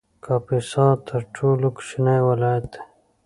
کاپیسا تر ټولو کوچنی ولایت دی